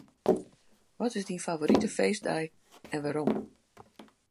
Wat is dyn favorite feestdei en wêrom?